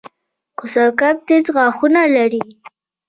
کوسه کب تېز غاښونه لري